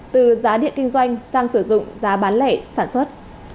từ giá điện kinh doanh sang sử dụng giá bán lẻ sản xuất